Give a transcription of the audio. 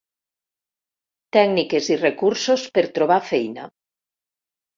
Tècniques i recursos per trobar feina.